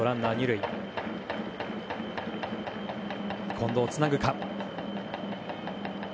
近藤、つなぐか。